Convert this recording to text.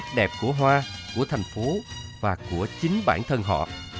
đẹp của hoa của thành phố và của chính bản thân họ